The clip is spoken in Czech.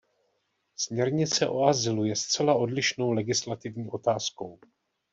Směrnice o azylu je zcela odlišnou legislativní otázkou.